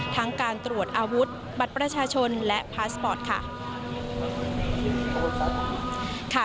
ทั้งการตรวจอาวุธบัตรประชาชนและพาสปอร์ตค่ะ